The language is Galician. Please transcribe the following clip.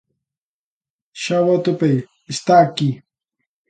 Xa o atopei, está aquí.